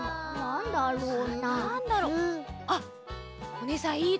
おねえさんいい